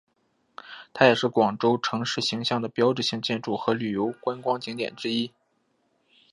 它也是广州城市形象的标志性建筑和旅游观光景点之一。